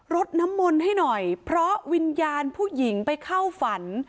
ดน้ำมนต์ให้หน่อยเพราะวิญญาณผู้หญิงไปเข้าฝัน